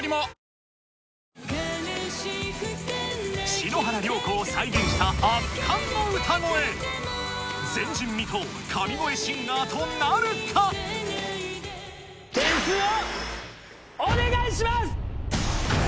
篠原涼子を再現した前人未到神声シンガーとなるか⁉点数をお願いします！